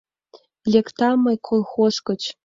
Лектам мый колхоз гыч.